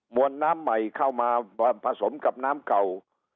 วนน้ำใหม่เข้ามาผสมกับน้ำเก่า